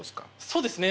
そうですね。